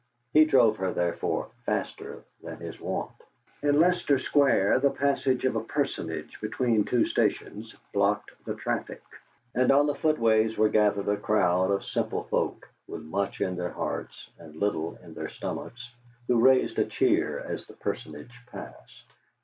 He drove her, therefore, faster than his wont. In Leicester Square the passage of a Personage between two stations blocked the traffic, and on the footways were gathered a crowd of simple folk with much in their hearts and little in their stomachs, who raised a cheer as the Personage passed.